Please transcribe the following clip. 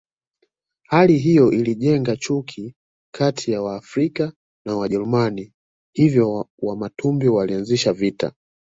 Hali hiyo ilijenga chuki kati ya Waafrika na Wajerumani hivyo Wamatumbi walianzisha vita